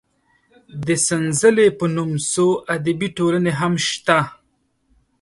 د سنځلې په نوم څو ادبي ټولنې هم شته.